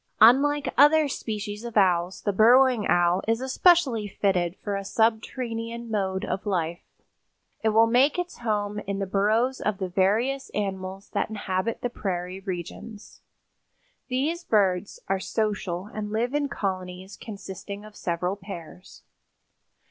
Unlike other species of owls, the Burrowing Owl is especially fitted for a subterranean mode of life. It will make its home in the burrows of the various animals that inhabit the prairie regions. These birds are social and live in colonies consisting of several pairs.